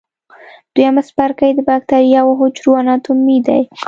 دویم څپرکی د بکټریاوي حجرو اناټومي ده.